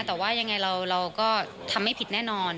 แต่ว่ายังไงเราก็ทำไม่ผิดแน่นอน